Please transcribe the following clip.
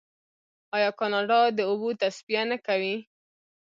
آیا کاناډا د اوبو تصفیه نه کوي؟